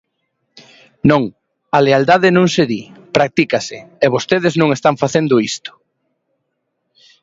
Non, a lealdade non se di, practícase, e vostedes non están facendo isto.